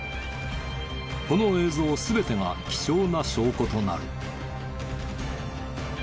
この映像全てが貴重な証拠となる。